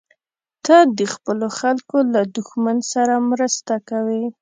ته د خپلو خلکو له دښمن سره مرسته کوې.